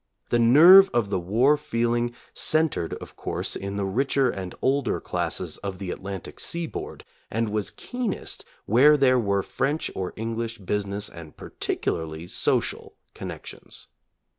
The nerve of the war feeling centered, of course, in the richer and older classes of the Atlantic seaboard, and was keenest where there were French or English busi ness and particularly social connections.